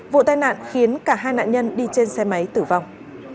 vụ tai nạn khiến cả hai nạn nhân đi trên xe máy tử vong